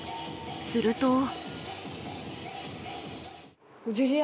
すると。